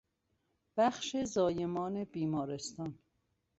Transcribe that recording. بخش زایمان بیمارستان